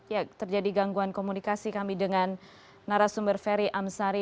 ya terjadi gangguan komunikasi kami dengan narasumber ferry amsari